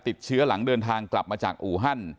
ติดเชื้อหลังเดินทางกลับมาจากอูฮัน